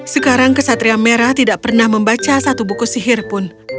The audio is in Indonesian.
sekarang kesatria merah tidak pernah membaca satu buku sihir pun